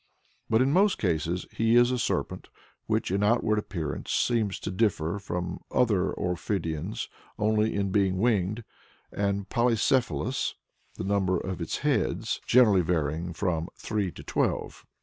But in most cases he is a serpent which in outward appearance seems to differ from other ophidians only in being winged and polycephalous the number of his heads generally varying from three to twelve.